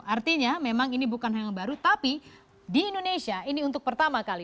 artinya memang ini bukan hal yang baru tapi di indonesia ini untuk pertama kali